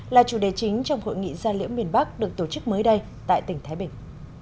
là chủ đề chính trong hội nghị gia liễu miền bắc được tổ chức mới đây tại tỉnh thái bình